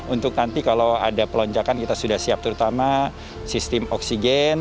untuk nanti kalau ada pelonjakan kita sudah siap terutama sistem oksigen